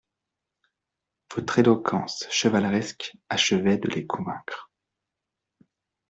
Votre éloquence chevaleresque achevait de les convaincre.